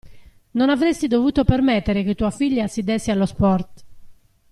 Non avresti dovuto permettere che tua figlia si desse allo sport.